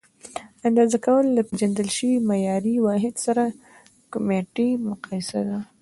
اندازه کول له پیژندل شوي معیاري واحد سره کمیتي مقایسه ده.